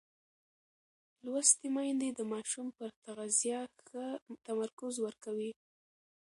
لوستې میندې د ماشوم پر تغذیه ښه تمرکز کوي.